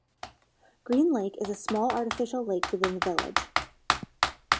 Green Lake is a small artificial lake within the village.